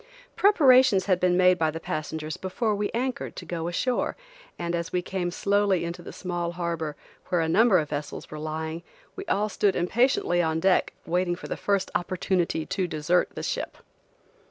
Preparations had been made by the passengers before we anchored, to go ashore, and as we came slowly into the small harbor, where a number of vessels were lying, we all stood impatiently on deck waiting for the first opportunity to desert the ship.